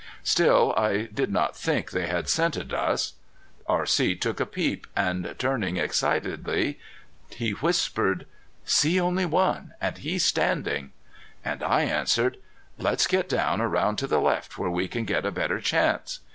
Still I did not think they had scented us. R.C. took a peep, and turning excitedly he whispered: "See only one. And he's standing!" And I answered: "Let's get down around to the left where we can get a better chance."